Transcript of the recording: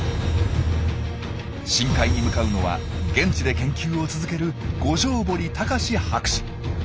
深海に向かうのは現地で研究を続ける五條堀孝博士。